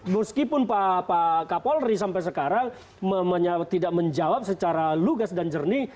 meskipun pak kapolri sampai sekarang tidak menjawab secara lugas dan jernih